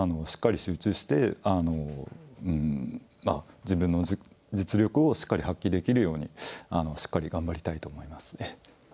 しっかり集中してうんまあ自分の実力をしっかり発揮できるようにしっかり頑張りたいと思います。